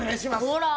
ほら。